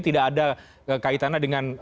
tidak ada kaitannya dengan